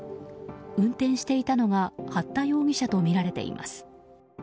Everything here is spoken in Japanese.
運転していたのが八田容疑者とみられています。